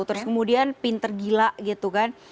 terus kemudian pinter gila gitu kan